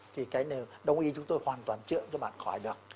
thì cái này đồng ý chúng tôi hoàn toàn chữa cho bạn khỏi được